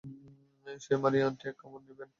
হেই, Maria aunty, এক কামড় নিবেন?